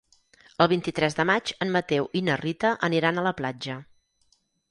El vint-i-tres de maig en Mateu i na Rita aniran a la platja.